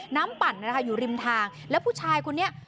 ปั่นนะคะอยู่ริมทางแล้วผู้ชายคนนี้